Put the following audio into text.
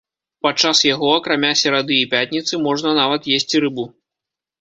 Падчас яго, акрамя серады і пятніцы, можна нават есці рыбу.